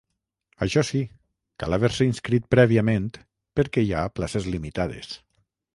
Això sí, cal haver-s’hi inscrit prèviament, perquè hi ha places limitades.